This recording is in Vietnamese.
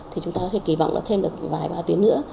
thì chúng ta có thể kỳ vọng là thêm được vài ba tuyến nữa